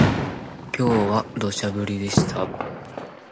今日は土砂降りでした